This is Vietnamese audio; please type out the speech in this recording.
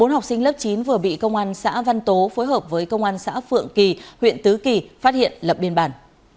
bốn học sinh lớp chín vừa bị công an xã văn tố phối hợp với công an xã phượng kỳ huyện tứ kỳ phát hiện lập biên bản